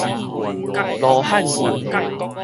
羅漢拳